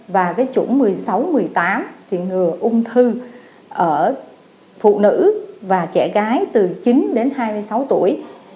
và cái chủng một mươi sáu một mươi tám thì ngừa ung thư ở phụ nữ và trẻ gái từ chín đến hai mươi sáu tuổi